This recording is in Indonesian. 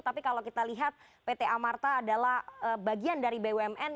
tapi kalau kita lihat pt amarta adalah bagian dari bumn